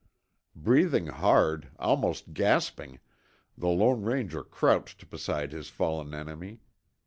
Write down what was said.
Breathing hard, almost gasping, the Lone Ranger crouched beside his fallen enemy.